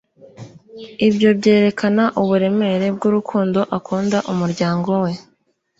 Ibyo byerekana uburemere bwurukundo akunda umuryango we